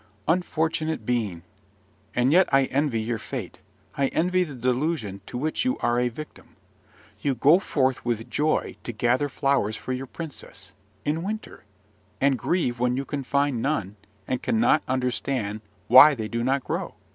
Unfortunate being! And yet I envy your fate: I envy the delusion to which you are a victim. You go forth with joy to gather flowers for your princess, in winter, and grieve when you can find none, and cannot understand why they do not grow.